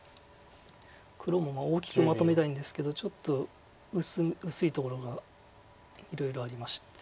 黒も大きくまとめたいんですけどちょっと薄いところがいろいろありまして。